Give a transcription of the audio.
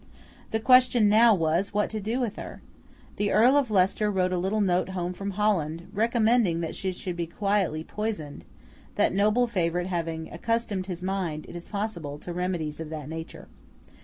The question now was, what to do with her? The Earl of Leicester wrote a little note home from Holland, recommending that she should be quietly poisoned; that noble favourite having accustomed his mind, it is possible, to remedies of that nature.